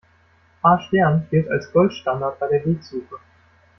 A-Stern gilt als Goldstandard bei der Wegsuche.